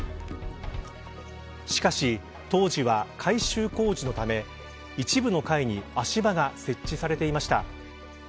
しかし当時は改修工事のため一部の階に足場が設置されていました。